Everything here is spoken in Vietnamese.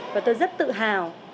và tôi rất tự hào